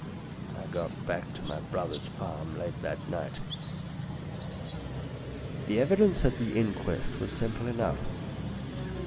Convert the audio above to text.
I got back to my brother's farm late that night. The evidence at the inquest was simple enough.